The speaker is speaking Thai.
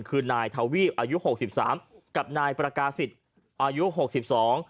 คือนายทวีปอายุหกสิบสามกับนายประกาศิษย์อายุหกสิบสอง